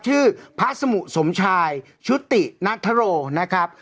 ชื่อพระสมุสมชายชุตินัทโรนะครับ